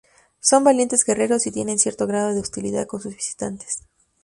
Son valientes guerreros y tienen cierto grado de hostilidad con sus visitantes.